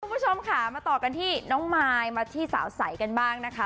คุณผู้ชมค่ะมาต่อกันที่น้องมายมาที่สาวใสกันบ้างนะคะ